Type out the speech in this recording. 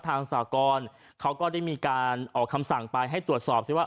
สากรเขาก็ได้มีการออกคำสั่งไปให้ตรวจสอบซิว่า